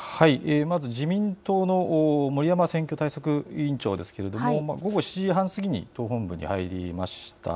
まず自民党の森山選挙対策委員長ですけれども午後７時半過ぎに党本部に入りました。